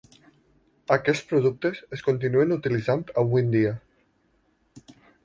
Aquests productes es continuen utilitzant avui en dia.